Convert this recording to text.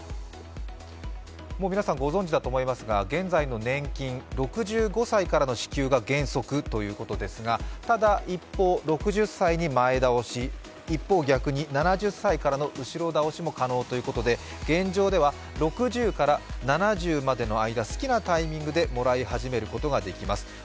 皆さんご存じだと思いますが現在の年金、６５歳からの支給が原則ということですが、ただ一方、６０歳に前倒し、一方、逆に７０歳からの後ろ倒しも可能ということで現状では６０から７０までの間、好きなタイミングでもらい始めることができます。